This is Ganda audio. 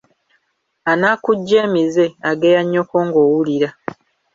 Anaakuggya emizze, ageya nnyoko ng’owulira.